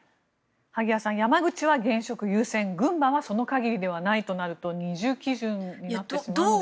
萩谷さん、山口は現職優先群馬はその限りではないとなると二重基準になってしまうんでしょうか。